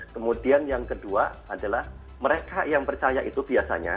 kemudian yang kedua adalah mereka yang percaya itu biasanya